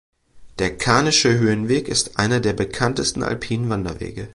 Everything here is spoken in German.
Der Karnische Höhenweg ist einer der bekanntesten alpinen Wanderwege.